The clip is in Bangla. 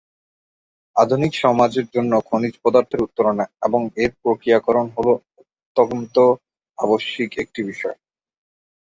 আধুনিক সমাজের জন্য খনিজ পদার্থের উত্তোলন এবং এর প্রক্রিয়াকরণ হল অত্যন্ত আবশ্যিক একটি বিষয়।